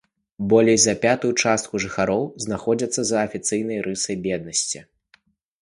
Болей за пятую частку жыхароў знаходзяцца за афіцыйнай рысай беднасці.